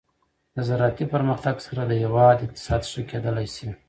د زراعتي پرمختګ سره د هیواد اقتصاد ښه کیدلی شي.